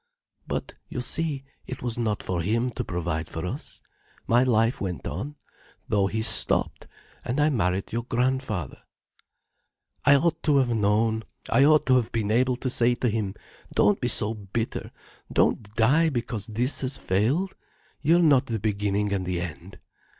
"But you see, it was not for him to provide for us. My life went on, though his stopped, and I married your grandfather. "I ought to have known, I ought to have been able to say to him: 'Don't be so bitter, don't die because this has failed. You are not the beginning and the end.